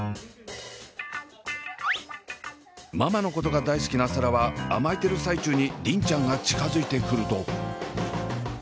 ママのことが大好きな紗蘭は甘えてる最中に梨鈴ちゃんが近づいてくると。